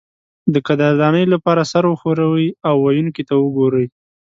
د قدردانۍ لپاره سر وښورئ او ویونکي ته وګورئ.